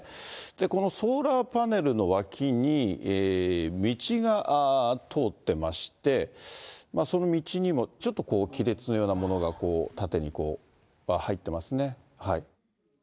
このソーラーパネルの脇に、道が通ってまして、その道にもちょっとこう、亀裂のようなものがこう、縦に、こう、入ってますね。